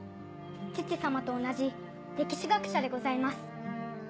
父様と同じ歴史学者でございます